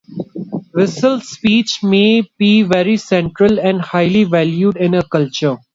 Whistled speech may be very central and highly valued in a culture.